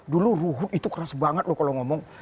dulu ruhut itu keras banget loh kalau ngomong